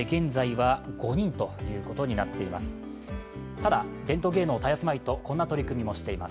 ただ、伝統芸能を絶やすまいとこんな取り組みをしています。